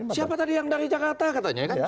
siapa tadi yang dari jakarta katanya kan